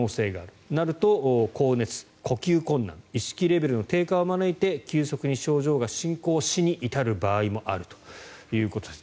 これになると、高熱、呼吸困難意識レベルの低下を招いて急速に症状が進行死に至る場合もあるということです。